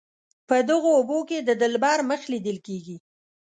په دغو اوبو کې د دلبر مخ لیدل کیږي.